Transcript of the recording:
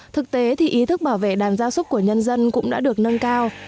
thực tế thì ý thức bảo vệ đàn gia súc của nhân dân cũng đã được nâng cao